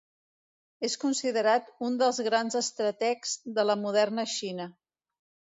És considerat un dels grans estrategs de la moderna Xina.